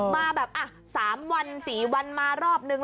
มาแบบ๓วัน๔วันมารอบนึง